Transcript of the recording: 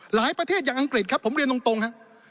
ประเทศอย่างอังกฤษครับผมเรียนตรงฮะ